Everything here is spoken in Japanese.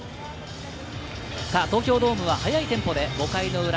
東京ドームは早いテンポで５回の裏。